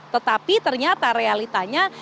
tetapi ternyata realitanya